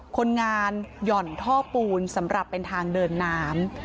คนงานหย่อนท่อปูนสำหรับเป็นทางเดินน้ำ